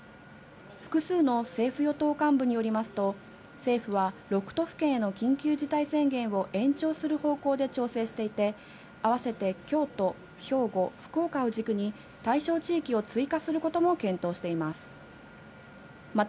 複数の政府・与党幹部によりますと、政府は、６都府県への緊急事態宣言を延長する方向で調整していて、併せて京都、兵庫、福岡を軸に、対象地域を追加することも検討しています。